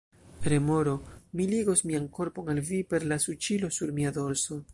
Remoro: "Mi ligos mian korpon al vi per la suĉilo sur mia dorso!"